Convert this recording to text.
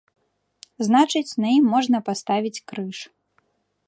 Значыць, на ім можна паставіць крыж.